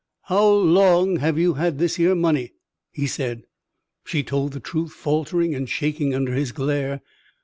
"How long have you had this here money?" he said. She told the truth, faltering and shaking under his glare.